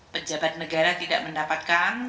pejabat negara tidak mendapatkan